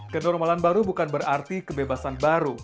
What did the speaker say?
kenormalan baru bukan berarti kebebasan baru